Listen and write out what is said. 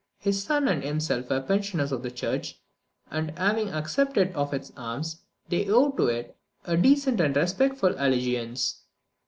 His son and himself were pensioners of the church, and, having accepted of its alms, they owed to it, at least, a decent and respectful allegiance.